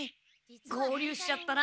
合流しちゃったな。